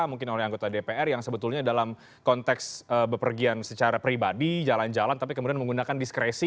mungkin oleh anggota dpr yang sebetulnya dalam konteks bepergian secara pribadi jalan jalan tapi kemudian menggunakan diskresi